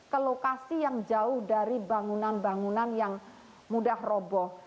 ke lokasi yang jauh dari bangunan bangunan yang mudah roboh